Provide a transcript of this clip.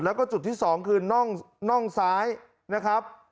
แล้วก็จุดที่๒คือน่องซ้ายนะครับ